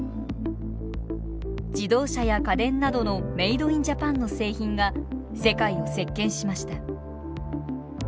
自動車や家電などのメイド・イン・ジャパンの製品が世界を席けんしました。